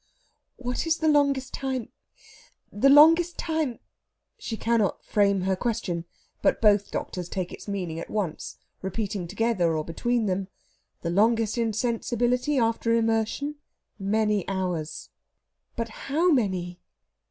"What is the longest time ... the longest time...?" she cannot frame her question, but both doctors take its meaning at once, repeating together or between them, "The longest insensibility after immersion? Many hours." "But how many?"